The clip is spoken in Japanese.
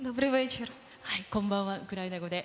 こんばんは、ウクライナ語で。